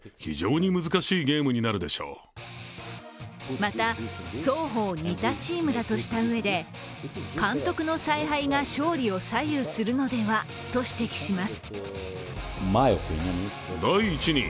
また、双方似たチームだとしたうえで監督の采配が勝利を左右するのではと指摘します。